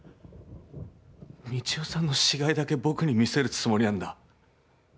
三千代さんの死骸だけ僕に見せるつもりなんだ。